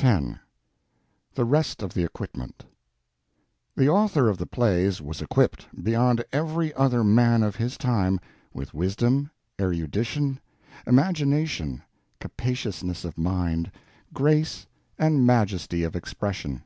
X THE REST OF THE EQUIPMENT The author of the Plays was equipped, beyond every other man of his time, with wisdom, erudition, imagination, capaciousness of mind, grace, and majesty of expression.